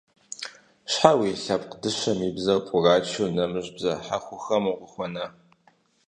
Щхьэ уи лъэпкъ дыщэм и бзэр пӀурачу нэмыщӀ бзэ хьэхухэм укъыхуэна?